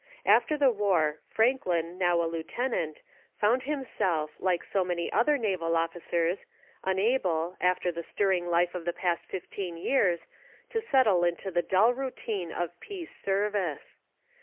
After the war Franklin, now a lieutenant, found himself, like so many other naval officers, unable, after the stirring life of the past fifteen years, to settle into the dull routine of peace service.